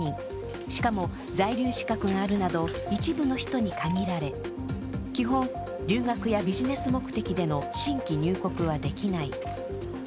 しかも、在留資格があるなど一部の人に限られ基本、留学やビジネス目的での新規入国はできない。